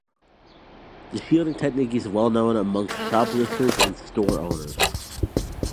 The shielding technique is well-known amongst shoplifters and store owners.